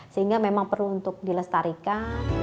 sehingga memang perlu untuk dilestarikan